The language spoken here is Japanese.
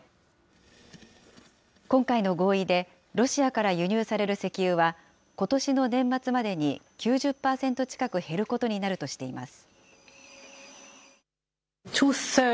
今回の合意で、ロシアから輸入される石油は、ことしの年末までに９０％近く減ることになるとしています。